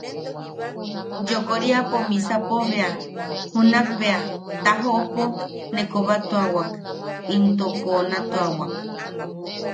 Yokooriapo misapo bea, junak bea tajoʼopo ne kobatuawak into koonatuawak.